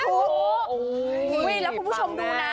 โอ้โหแล้วคุณผู้ชมดูนะ